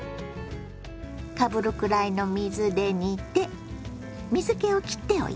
かぶるくらいの水で煮て水けをきっておいてね。